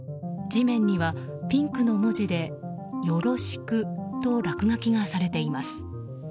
地面にはピンクの文字で「夜露死苦」と落書きがされています。